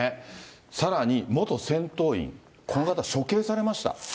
さらに、元戦闘員、この方、処刑されました。